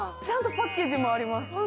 ちゃんとパッケージもあります。